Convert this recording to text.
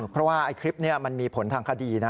เพราะว่าคลิปนี้มันมีผลทางคดีนะ